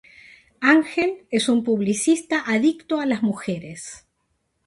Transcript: Ángel es un publicista adicto a las mujeres.